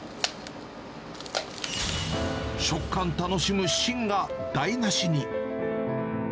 食感楽しむ芯が台なしに。